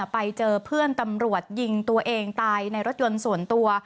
ไปเจอเพื่อนตำรวจยิงตัวเองตายในรถยนต์ส่วนตัว